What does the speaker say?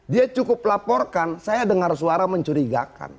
dia cukup laporkan saya dengar suara mencurigakan